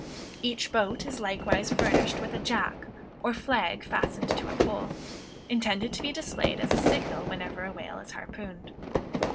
Each boat is likewise furnished with a "jack" or flag fastened to a pole, intended to be displayed as a signal whenever a whale is harpooned.